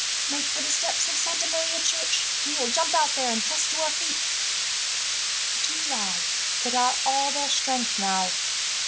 "Make for the steps of Santa Maria church. We will jump out there and trust to our feet." The two lads put out all their strength now.